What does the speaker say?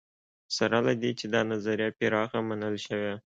سره له دې چې دا نظریه پراخه منل شوې.